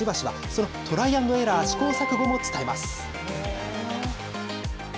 そのトライ＆エラー、試行錯誤も伝えます。